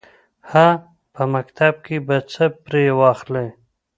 _هه! په مکتب کې به څه پرې واخلې.